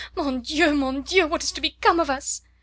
Mon Dieu mon Dieu! What is to become of us?"